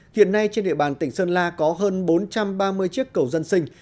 hiện nay trên địa bàn tỉnh sơn la có hơn bốn trăm ba mươi chiếc cầu dân sinh